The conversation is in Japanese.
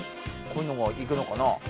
こういうのがいくのかな？